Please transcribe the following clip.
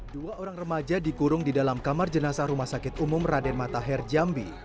dua orang remaja dikurung di dalam kamar jenazah rumah sakit umum raden matahir jambi